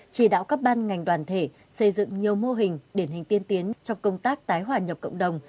chỉ đạo các ban ngành đoàn thể xây dựng nhiều mô hình điển hình tiên tiến trong công tác tái hòa nhập cộng đồng